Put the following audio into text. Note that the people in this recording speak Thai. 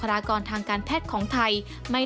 กระแสรักสุขภาพและการก้าวขัด